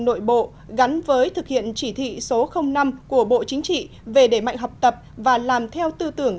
nội bộ gắn với thực hiện chỉ thị số năm của bộ chính trị về đẩy mạnh học tập và làm theo tư tưởng